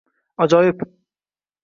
- Ajoyib!